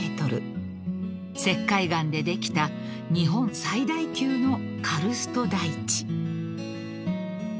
［石灰岩でできた日本最大級のカルスト台地］